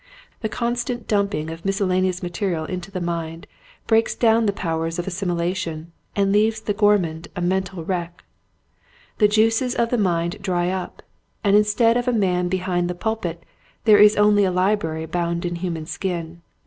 The constant dumping of miscellaneous mate rial into the mind breaks down the powers of assimilation, and leaves the gormand a mental wreck. The juices of the mind dry up, and instead of a man behind the pulpit there is only a library bound in human skin.